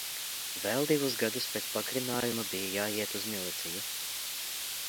Vēl divus gadus pēc pagarinājuma bija jāiet uz miliciju.